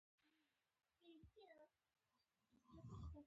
د رعایا ژوند په ځمکو پورې تړلی و.